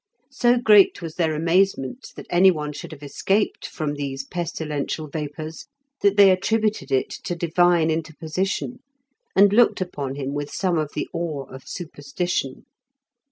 So great was their amazement that any one should have escaped from these pestilential vapours, that they attributed it to divine interposition, and looked upon him with some of the awe of superstition.